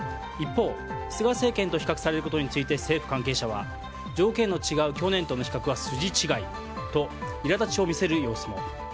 一方、菅政権と比較されることについて政府関係者は条件の違う去年との比較は筋違いといらだちを見せる様子も。